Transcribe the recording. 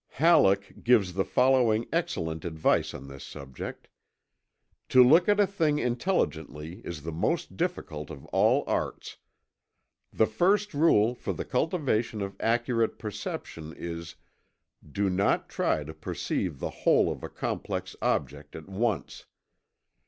Halleck gives the following excellent advice on this subject: "To look at a thing intelligently is the most difficult of all arts. The first rule for the cultivation of accurate perception is: Do not try to perceive the whole of a complex object at once.